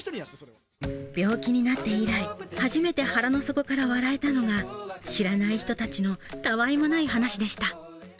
病気になって以来、初めて腹の底から笑えたのが知らない人たちのたわいもない話でした。